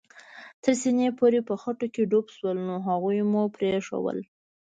تر سېنې پورې په خټو کې ډوب شول، نو هغوی مو پرېښوول.